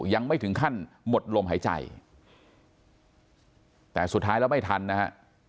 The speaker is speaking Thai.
ยังไม่ถึงขั้นหมดลมหายใจแต่สุดท้ายแล้วไม่ทันนะฮะ